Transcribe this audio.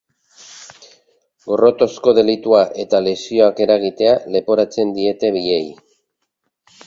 Gorrotozko delitua eta lesioak eragitea leporatzen diete biei.